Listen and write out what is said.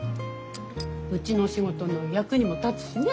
うちの仕事の役にも立つしね。